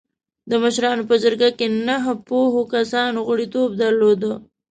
د مشرانو په جرګه کې نهه پوهو کسانو غړیتوب درلوده.